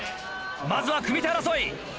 まずは組み手争い。